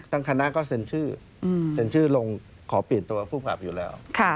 ทั้งคณะก็เซ็นชื่อลงขอปิดตัวผู้ขาบอยู่แล้ว